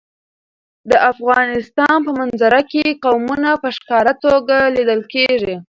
د افغانستان په منظره کې قومونه په ښکاره توګه لیدل کېږي.